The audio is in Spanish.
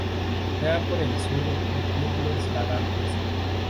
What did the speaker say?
Bordea por el sur el club Los Lagartos.